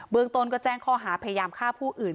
ตนก็แจ้งข้อหาพยายามฆ่าผู้อื่น